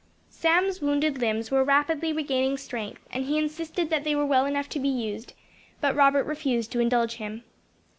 Sam's wounded limbs were rapidly regaining strength, and he insisted that they were well enough to be used; but Robert refused to indulge him.